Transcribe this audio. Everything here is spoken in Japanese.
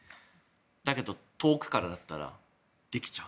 だけど、遠くからだったらできちゃう。